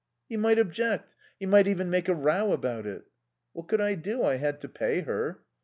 "He might object. He might even make a row about it." "What could I do? I had to pay her."